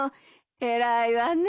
偉いわね。